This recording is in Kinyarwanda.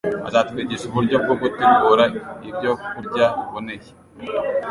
azatwigisha uburyo bwo gutegura ibyokurya biboneye,